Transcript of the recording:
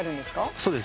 そうです。